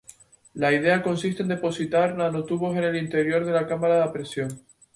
La idea consiste en depositar nanotubos en el interior de una cámara a presión.